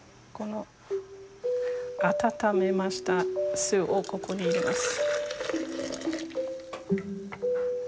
温めました酢をここに入れます。